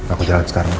aku jalan sekarang ma